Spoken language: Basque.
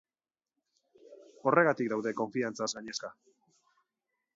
Horregatik daude konfiantzaz gainezka.